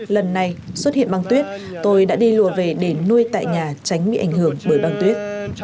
lần này xuất hiện băng tuyết tôi đã đi lùa về để nuôi tại nhà tránh bị ảnh hưởng bởi băng tuyết